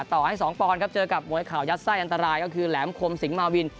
ต่อให้๒ปอนด์ครับเจอกับมวยข่าวยัดไส้อันตรายก็คือแหลมคมสิงหมาวิน